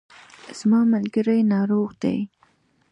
زما ملګری ناروغ دی